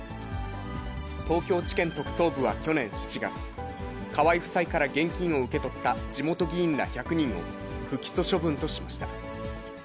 東京地検特捜部は去年７月、河井夫妻から現金を受け取った地元議員ら１００人を不起訴処分としました。